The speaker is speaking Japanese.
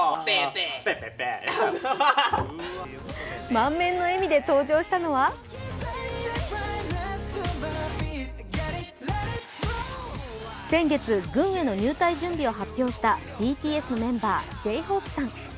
満面の笑みで登場したのは先月、軍への入隊準備を発表したＢＴＳメンバー、Ｊ−ＨＯＰＥさん。